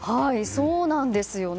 そうなんですよね。